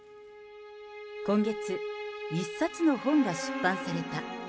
今月、一冊の本が出版された。